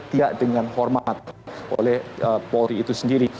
tidak dengan hormat oleh polri itu sendiri